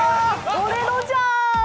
俺のじゃーん！